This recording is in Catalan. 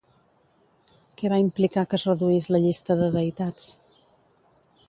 Què va implicar que es reduís la llista de deïtats?